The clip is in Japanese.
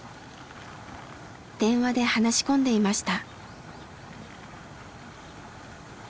電話で話し込んでいました。